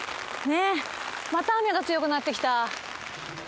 また雨が強くなってきた。